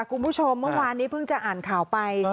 คุณผู้ชมเมื่อวานนี้เพิ่งจะอ่านข่าวไป